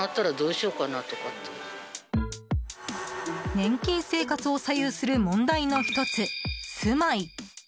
年金生活を左右する問題の１つ、住まい。